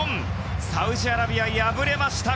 サウジアラビア、敗れました